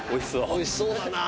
美味しそうだな。